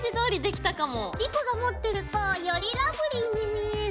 莉子が持ってるとよりラブリーに見える。